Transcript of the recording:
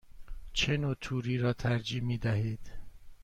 چه نوع توری را ترجیح می دهید؟